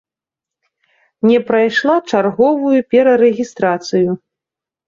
Не прайшла чарговую перарэгістрацыю.